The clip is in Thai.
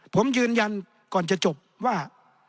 ผมยืนยันก่อนจะจบว่า